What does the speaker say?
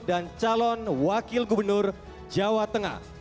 dan calon wakil gubernur jawa tengah